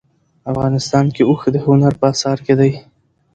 افغانستان کې اوښ د هنر په اثار کې دي.